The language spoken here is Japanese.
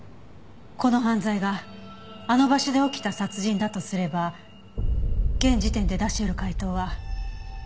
この犯罪があの場所で起きた殺人だとすれば現時点で出し得る解答は。